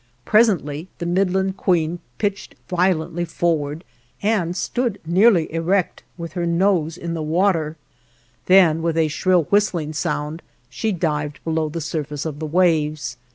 Presently the "Midland Queen" pitched violently forward, and stood nearly erect with her nose in the water; then with a shrill whistling sound she dived below the surface of the waves.